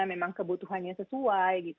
memang kebutuhannya sesuai